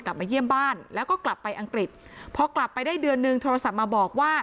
กลับมาเยี่ยมบ้านแล้วก็กลับไปอังกฤษพอกลับไปได้เดือนนึงโทรศัพท์มาบอกว่า